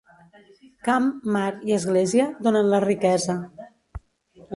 Camp, mar i església donen la riquesa.